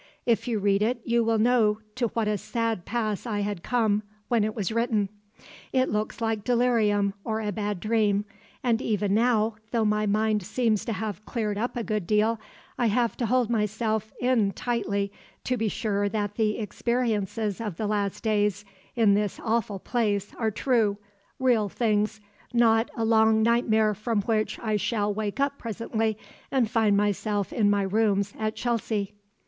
If you read it you will know to what a sad pass I had come when it was written. It looks like delirium or a bad dream, and even now, though my mind seems to have cleared up a good deal, I have to hold myself in tightly to be sure that the experiences of the last days in this awful place are true, real things, not a long nightmare from which I shall wake up presently and find myself in my rooms at Chelsea.